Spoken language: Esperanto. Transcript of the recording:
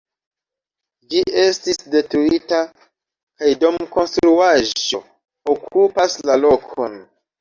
Ĝi estis detruita kaj domkonstruaĵo okupas la lokon.